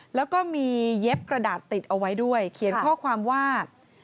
แล้วก็มีเย็บกระดาษติดเอาไว้ด้วยเขียนข้อความว่า